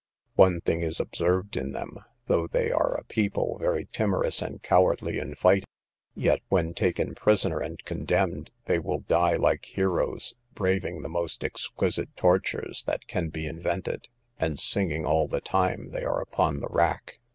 One thing is observed in them, though they are a people very timorous and cowardly in fight, yet when taken prisoners and condemned, they will die like heroes, braving the most exquisite tortures that can be invented, and singing all the time they are upon the rack.